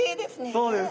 そうです。